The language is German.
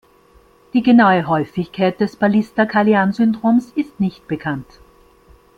Die genaue Häufigkeit des Pallister-Killian-Syndroms ist nicht bekannt.